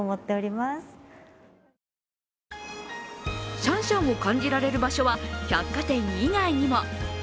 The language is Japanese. シャンシャンを感じられる場所は百貨店以外にも。